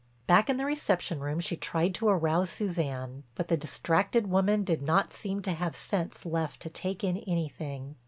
Back in the reception room she tried to arouse Suzanne, but the distracted woman did not seem to have sense left to take in anything.